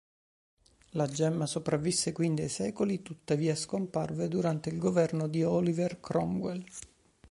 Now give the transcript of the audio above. La gemma sopravvisse quindi ai secoli, tuttavia scomparve durante il governo di Oliver Cromwell.